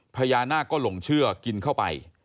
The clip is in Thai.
พญานาคก็หลงเชื่อกินเข้าไป